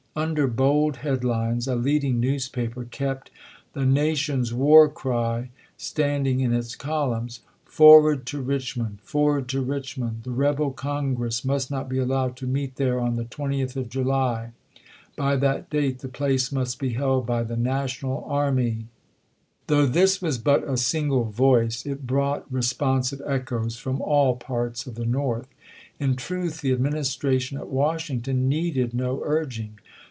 Under bold head lines a leading newspaper kept " The nation's war cry," standing in its col umns :" Forward to Eichmond ! Forward to Rich mond! The rebel Congi'ess must not be allowed to meet there on the 20th of July. By that date .Siun? the place must be held by the national army !" "sli. ' Though this was but a single voice, it brought re sponsive echoes from all parts of the North. In truth the Administration at Washington needed no urging.